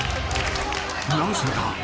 ［なぜだ？